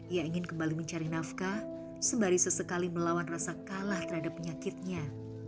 ia ingin kembali mencari nafkah sembari sesekali melawan rasa kalah terhadap penyakitnya